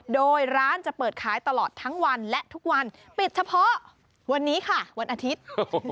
โดยร้านจะเปิดขายตลอดทั้งวันและทุกวันปิดเฉพาะวันนี้ค่ะวันอาทิตย์